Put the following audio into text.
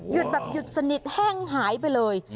อ๋อเหรอหยุดสนิทแห้งหายไปเลย